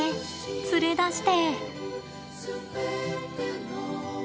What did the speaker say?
連れ出して。